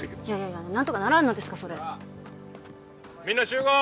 いや何とかならんのですかそれみんな集合！